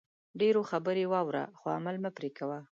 ډېرو خبرې واوره خو عمل مه پرې کوئ